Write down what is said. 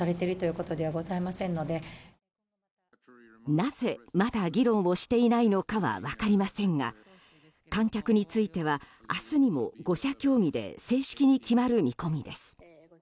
なぜまだ議論をしていないのかは分かりませんが観客については明日にも５者協議で正式に決まる見込みです。